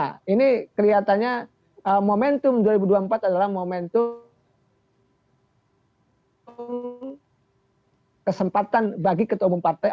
nah ini kelihatannya momentum dua ribu dua puluh empat adalah momentum kesempatan bagi ketua umum partai